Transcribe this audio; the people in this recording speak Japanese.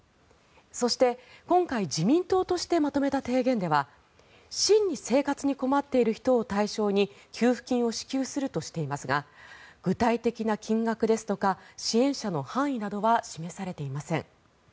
そして、今回自民党としてまとめた提言では真に生活に困っている人を対象に給付金を支給するとしていますが具体的な金額ですとか支援者の範囲などは示されていません。